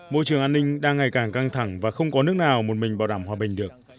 môi trường an ninh đang ngày càng căng thẳng và không có nước nào một mình bảo đảm hòa bình được